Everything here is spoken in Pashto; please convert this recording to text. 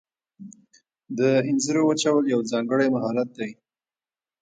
د انځرو وچول یو ځانګړی مهارت دی.